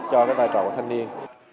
cho cái vai trò của thanh niên